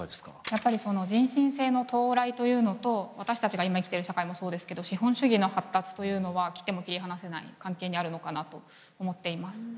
やっぱり人新世の到来というのと私たちが今生きてる社会もそうですけど資本主義の発達というのは切っても切り離せない関係にあるのかなと思っています。